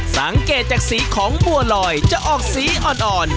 สังเกตจากสีของบัวลอยจะออกสีอ่อน